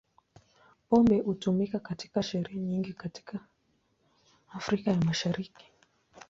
Pombe hutumika katika sherehe nyingi katika Afrika ya Mashariki.